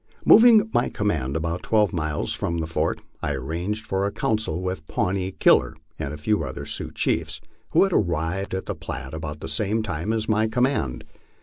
Moving m}^ command about twelve miles from the fort, I arranged for a council with Pawnee Killer and a few other Sioux chiefs, who had arrived at the Platte about the same time my command had.